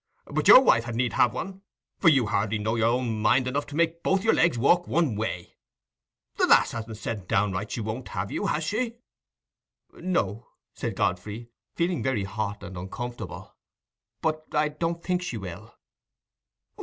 But your wife had need have one, for you hardly know your own mind enough to make both your legs walk one way. The lass hasn't said downright she won't have you, has she?" "No," said Godfrey, feeling very hot and uncomfortable; "but I don't think she will."